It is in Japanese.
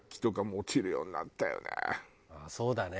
そうだね。